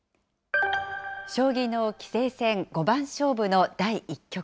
将棋の棋聖戦五番勝負の第１局。